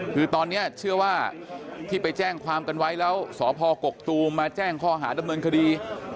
คือตอนนี้เชื่อว่าที่ไปแจ้งความกันไว้แล้วสพกกตูมมาแจ้งข้อหาดำเนินคดี